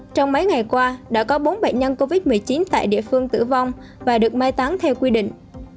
trong mấy ngày qua đã có bốn bệnh nhân covid một mươi chín tại địa phương tử vong và được mai tán theo quy định